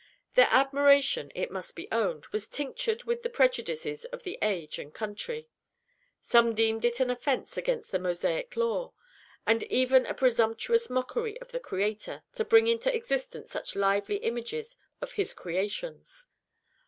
Their admiration, it must be owned, was tinctured with the prejudices of the age and country. Some deemed it an offence against the Mosaic law, and even a presumptuous mockery of the Creator, to bring into existence such lively images of His creatures.